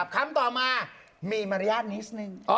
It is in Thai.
คำต่อมามีมารยาทนิดนึง